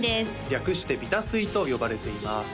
略して「ビタスイ」と呼ばれています